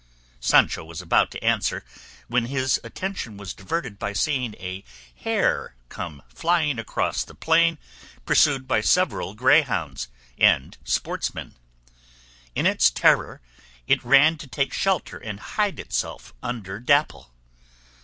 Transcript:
Sancho was about to answer, when his attention was diverted by seeing a hare come flying across the plain pursued by several greyhounds and sportsmen. In its terror it ran to take shelter and hide itself under Dapple.